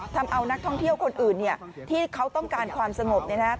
ทำเอานักท่องเที่ยวคนอื่นที่เขาต้องการความสงบ